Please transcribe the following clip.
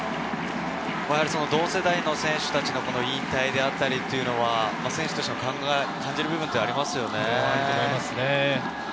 同世代の選手たちの引退であったり、選手としては感じる部分がありますよね。